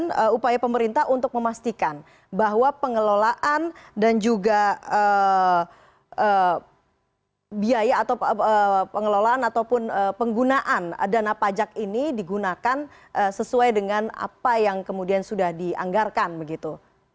kemudian upaya pemerintah untuk memastikan bahwa pengelolaan dan juga biaya atau pengelolaan ataupun penggunaan dana pajak ini digunakan sesuai dengan apa yang kemudian sudah dianggarkan begitu